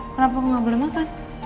kenapa kamu gak boleh makan